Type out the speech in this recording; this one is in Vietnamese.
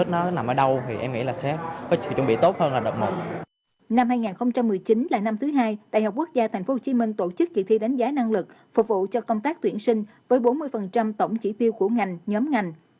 năm hai nghìn một mươi chín là năm thứ hai đại học quốc gia tp hcm tổ chức kỳ thi đánh giá năng lực phục vụ cho công tác tuyển sinh với bốn mươi tổng chỉ tiêu của ngành nhóm ngành